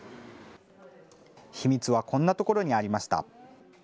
秘密はこんなところにありました。